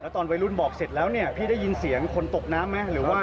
ตอนวัยรุ่นบอกเสร็จแล้วเนี่ยพี่ได้ยินเสียงคนตกน้ำไหมหรือว่า